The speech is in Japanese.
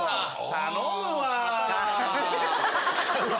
頼むわ。